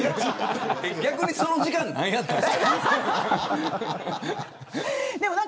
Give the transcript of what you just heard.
逆にその時間何やったんですか。